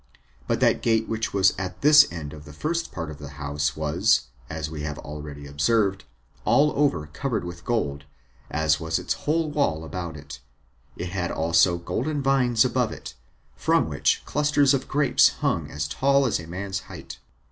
But that gate which was at this end of the first part of the house was, as we have already observed, all over covered with gold, as was its whole wall about it; it had also golden vines above it, from which clusters of grapes hung as tall as a man's height.